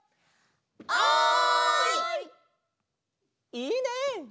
いいねえ！